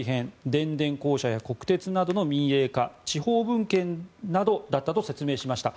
電電公社や国鉄などの民営化地方分権などだったと説明しました。